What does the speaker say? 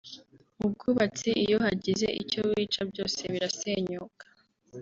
mu bwubatsi iyo hagize icyo wica byose birasenyuka